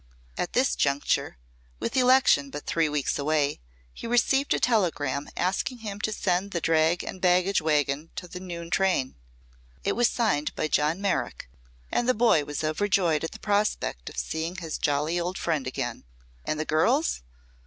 At this juncture, with election but three weeks away, he received a telegram asking him to send the drag and baggage wagon to the noon train. It was signed by John Merrick, and the boy was overjoyed at the prospect of seeing his jolly old friend again. And the girls?